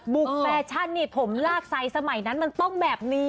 แฟชั่นนี่ผมลากไซดสมัยนั้นมันต้องแบบนี้